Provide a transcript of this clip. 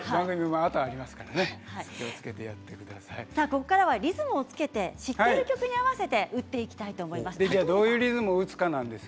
ここからはリズムに合わせて知っている曲に合わせて打っていきたいと思います。